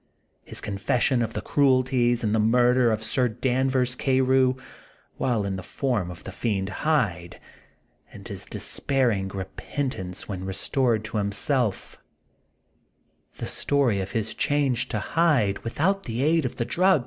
His confession of the cruel ties and the murder of Sir Danvers Ca rew, while in the form of the fiend Hyde, and his despairing repentance when re^ stored to himself ; the story of his change to Hyde, without the aid of the drug^ Dr. Jekyll and Mr. Hyde.